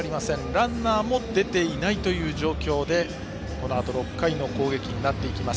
ランナーも出ていないという状況でこのあと６回の攻撃です。